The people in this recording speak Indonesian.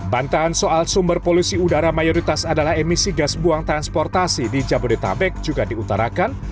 bantahan soal sumber polusi udara mayoritas adalah emisi gas buang transportasi di jabodetabek juga diutarakan